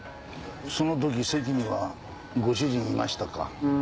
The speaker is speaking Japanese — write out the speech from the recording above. そのとき席にはご主人いましたか？